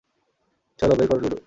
চলো, বের করো লুডু।